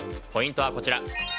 ポイントはこちら。